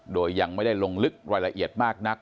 โดยยังไม่ได้ลงลึกรายละเอียดมากนัก